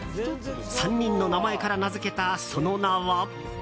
３人の名前から名付けたその名は。